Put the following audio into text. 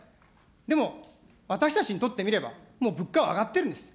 でも私たちにとってみれば、もう物価は上がってるんです。